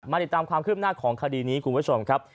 ติดตามความคืบหน้าของคดีนี้คุณผู้ชมครับ